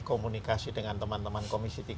komunikasi dengan teman teman komisi tiga